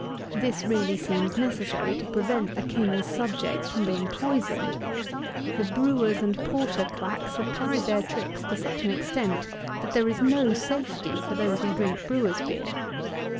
This really seems necessary to prevent the King's subjects from being poisoned. The brewers and porter quacks have carried their tricks to such an extent, that there is no safety for those who drink brewer's beer.